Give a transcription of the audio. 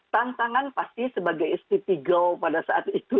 tantangan pasti sebagai stp girl pada saat itu